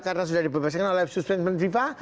karena sudah dibebaskan oleh suspension viva